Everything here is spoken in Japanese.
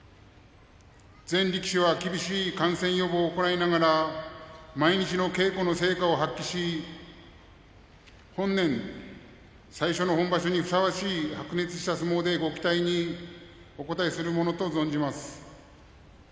全力士は厳しい感染予防を行いながら、毎日の稽古の成果を発揮し本年、最初の本場所にふさわしい白熱した相撲でご期待にお応えするものと存じます。